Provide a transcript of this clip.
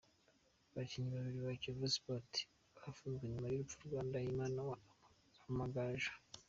Abakinnyi babiri ba Kiyovu Sports bafunzwe nyuma y’urupfu rwa Ndahimana wa Amagaju.